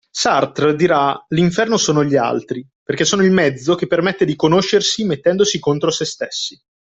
Sartre dirà “l'inferno sono gli altri” perché sono il mezzo che permette di conoscersi mettendosi contro se stessi.